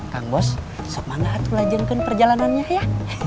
kang bos semangat melajunkan perjalanannya ya